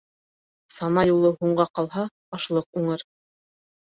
Сана юлы һуңға ҡалһа, ашлыҡ уңыр.